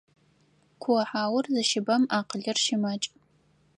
Куохьаур зыщыбэм акъылыр щымакӏ.